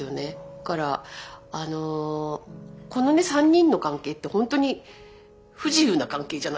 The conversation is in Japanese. だからあのこのね３人の関係って本当に不自由な関係じゃないですかはたから見ると。